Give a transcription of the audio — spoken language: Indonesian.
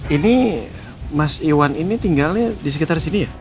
ini mas iwan ini tinggalnya di sekitar sini ya